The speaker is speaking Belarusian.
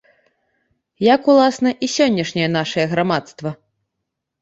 Як, уласна, і сённяшняе нашае грамадства.